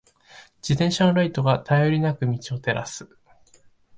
自転車のライトが、頼りなく道を照らす。